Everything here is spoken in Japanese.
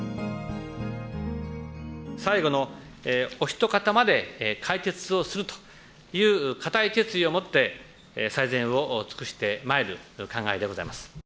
最後のお一方まで解決をするという固い決意をもって最善を尽くしてまいる考えでございます。